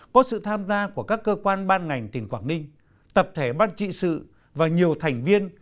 có sự tham gia của các cơ quan ban ngành tỉnh quảng ninh tập thể ban trị sự và nhiều thành viên